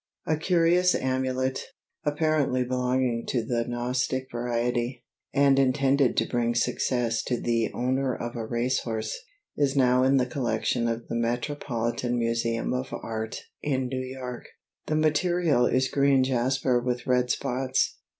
A curious amulet, apparently belonging to the Gnostic variety, and intended to bring success to the owner of a racehorse, is now in the collection of the Metropolitan Museum of Art, in New York. The material is green jasper with red spots.